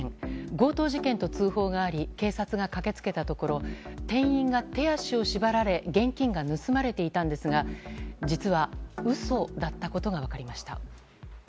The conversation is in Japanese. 強盗事件と通報があり警察が駆け付けたところ店員が手足を縛られ現金が盗まれていたんですが実は嘘だったことが分かりました。